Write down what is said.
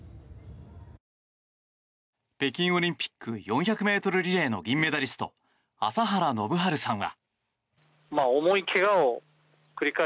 北京オリンピック４００ｍリレーの銀メダリスト朝原宣治さんは。